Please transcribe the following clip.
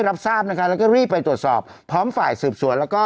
รับทราบนะคะแล้วก็รีบไปตรวจสอบพร้อมฝ่ายสืบสวนแล้วก็